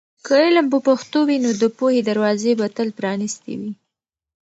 که علم په پښتو وي، نو د پوهې دروازې به تل پرانیستې وي.